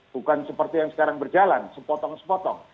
bukan seperti yang sekarang berjalan sepotong sepotong